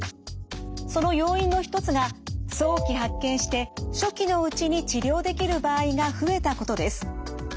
その要因の一つが早期発見して初期のうちに治療できる場合が増えたことです。